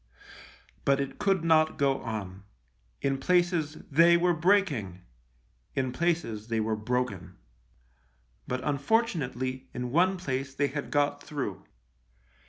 But it could not go on. In places they were breaking ; in places they were broken ; but, unfortunately, in one place they had got through.